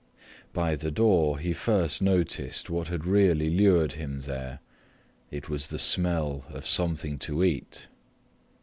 By the door he first noticed what had really lured him there: it was the smell of something to eat.